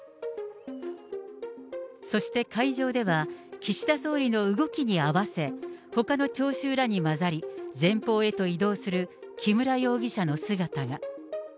そして会場では、岸田総理の動きに合わせ、ほかの聴衆らに交ざり、前方へと移動する木村容疑者の姿が。